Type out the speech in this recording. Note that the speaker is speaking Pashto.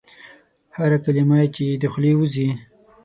هره کلمه چي یې د خولې وزي ؟